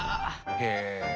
へえ！